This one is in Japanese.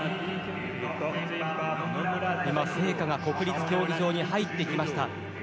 今、聖火が国立競技場に入ってきました。